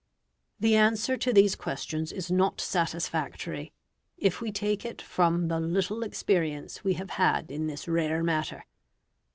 The answer to these questions is not satisfactory, if we take it from the little experience we have had in this rare matter.